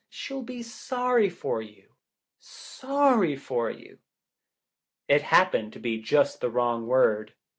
She'll be sorry for you — sorry for you." TT happened to be just the wrong word.